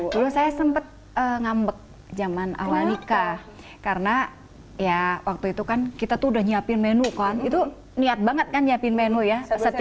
dulu saya sempat ngambek zaman awal nikah karena ya waktu itu kan kita tuh udah nyiapin menu kan itu niat banget kan nyiapin menu ya